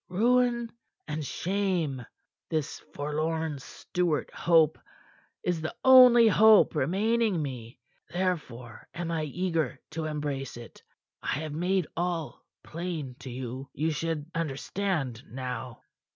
Ruin and shame. This forlorn Stuart hope is the only hope remaining me. Therefore, am I eager to embrace it. I have made all plain to you. You should understand now."